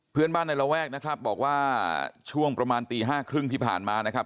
เพื่อนบ้านในระแวกนะครับบอกว่าช่วงประมาณตีห้าครึ่งที่ผ่านมานะครับ